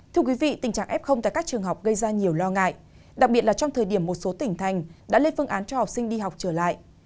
thưa quý vị tình trạng f tại các trường học gây ra nhiều lo ngại đặc biệt là trong thời điểm một số tỉnh thành đã lên phương án cho học sinh đi học trở lại